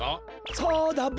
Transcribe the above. そうだブ。